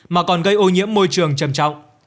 mà còn gây ô nhiễm môi trường chầm trọng